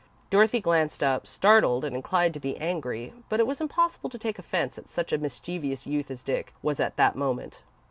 Dorothy glanced up, startled, and inclined to be angry, but it was impossible to take offence at such a mischievous youth as Dick was at that moment.